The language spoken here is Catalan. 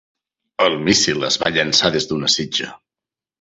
El míssil es va llançar des d'una sitja.